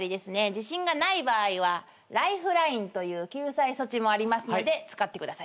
自信がない場合はライフラインという救済措置もありますので使ってください。